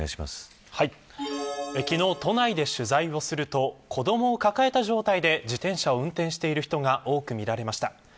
昨日、都内で取材をすると子どもを抱えた状態で自転車を運転している人が多く見られました。